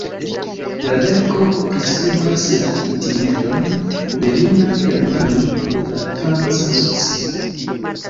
La verko priskribas la itineron de juna fremdulo en la franca socio.